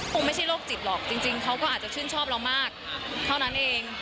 คงไม่ใช่โรคจิตหรอกจริงเขาก็อาจจะชื่นชอบเรามากเท่านั้นเอง